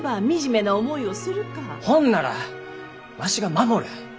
ほんならわしが守る。